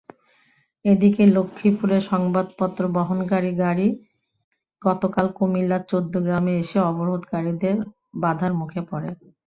এদিকে লক্ষ্মীপুরের সংবাদপত্র বহনকারী গাড়ি গতকাল কুমিল্লার চৌদ্দগ্রামে এসে অবরোধকারীদের বাধার মুখে পড়ে।